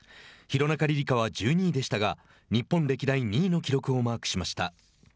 廣中璃梨佳は１２位でしたが日本歴代２位の記録をマークしました。